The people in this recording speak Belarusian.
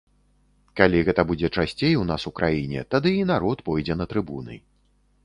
Калі гэта будзе часцей у нас у краіне, тады і народ пойдзе на трыбуны.